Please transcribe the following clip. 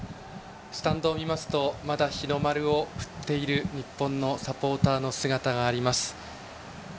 スタンドを見るとまだ日の丸を振っている日本のサポーターの姿があります。